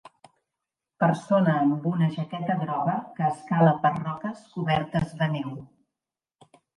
Persona amb una jaqueta groga que escala per roques cobertes de neu.